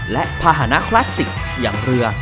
และภาษณะคลาสสิกอย่างเรือ